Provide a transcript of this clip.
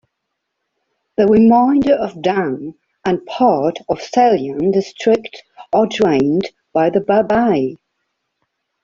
The remainder of Dang and part of "Salyan" district are drained by the "Babai".